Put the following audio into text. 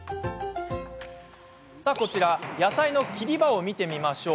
さあ、こちら野菜の切り場を見てみましょう。